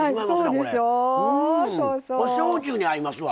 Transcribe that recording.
これ、焼酎に合いますわ。